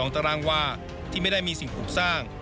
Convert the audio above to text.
๓๒ตรวที่ไม่ได้มีสิ่งกลุ่มสร้าง